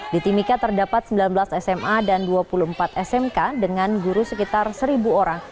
di timika terdapat sembilan belas sma dan dua puluh empat smk dengan guru sekitar seribu orang